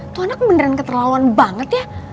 tuh anak beneran keterlaluan banget ya